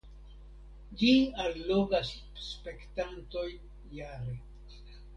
Ĝi allogas spektantojn jare.